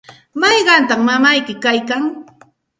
¿mayqantaq mamayki kaykan?